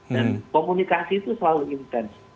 dan komunikasi itu selalu intens